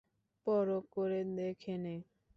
পরখ করে দেখে নে।